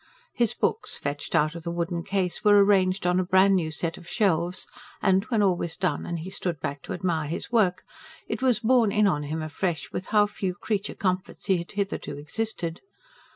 His books, fetched out of the wooden case, were arranged on a brand new set of shelves; and, when all was done and he stood back to admire his work, it was borne in on him afresh with how few creature comforts he had hitherto existed.